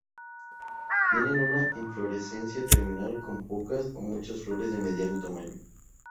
Tienen una inflorescencia terminal con pocas o muchas flores de mediano tamaño.